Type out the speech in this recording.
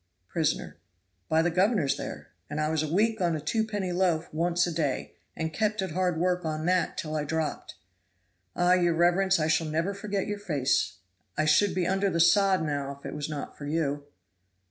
Prisoner. "By the governor's there, and I was a week on a twopenny loaf once a day, and kept at hard work on that till I dropped. Ah, your reverence, I shall never forget your face. I should be under the sod now if it was not for you!"